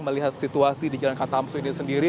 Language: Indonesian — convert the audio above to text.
melihat situasi di jalan katam sojakarta pusat ini sendiri